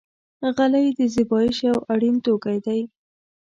غلۍ د زېبایش یو اړین توکی دی.